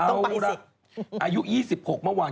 เอาล่ะอายุ๒๖เมื่อวาน